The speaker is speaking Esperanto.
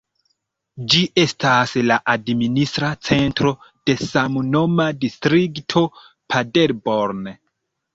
Ĝi estas la administra centro de samnoma distrikto Paderborn.